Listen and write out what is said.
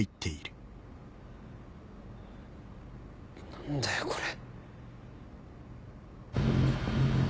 何だよこれ。